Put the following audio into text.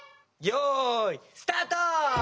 よいスタート！